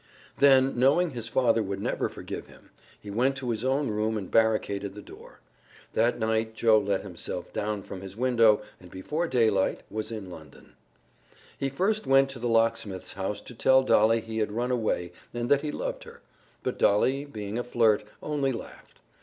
Then, knowing his father would never forgive him, he went to his own room and barricaded the door. That night Joe let himself down from his window and before daylight was in London. He went first to the locksmith's house to tell Dolly he had run away and that he loved her, but Dolly being a flirt, only laughed.